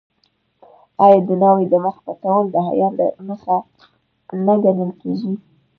آیا د ناوې د مخ پټول د حیا نښه نه ګڼل کیږي؟